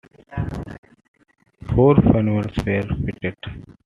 Four funnels were fitted.